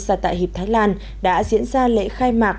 ra tại hiệp thái lan đã diễn ra lễ khai mạc